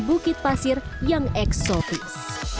bukit pasir yang eksotis